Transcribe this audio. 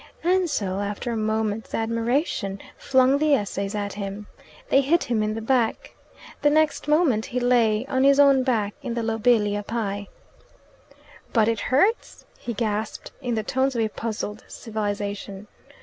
Ansell, after a moment's admiration, flung the Essays at him. They hit him in the back. The next moment he lay on his own back in the lobelia pie. "But it hurts!" he gasped, in the tones of a puzzled civilization.